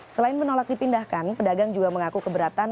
selain menolak dipindahkan pedagang juga mengaku keberatan